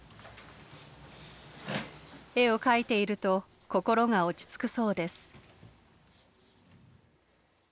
絵を描いていると心が落ち着くそうです。